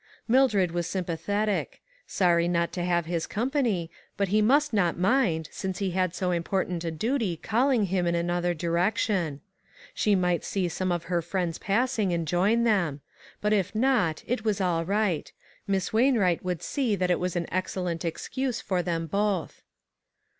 Mildred was sympathetic. Sorry not to have his company, but he must not mind, since he had so important a duty calling him in another direction. She might see 328 ONE COMMONPLACE DAY. some of her friends passing, and join them; but if not, it was all right. Miss Wain wright would see that it was an excellent excuse for them both.